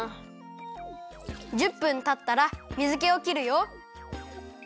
１０分たったら水けをきるよ。